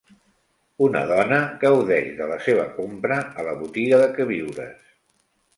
Una dona gaudeix de la seva compra a la botiga de queviures.